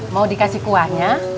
mau dikasih kuahnya